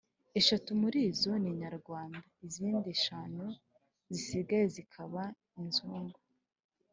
eshatu muri zo ni inyarwanda izindi eshanu zisigaye zikaba inzungu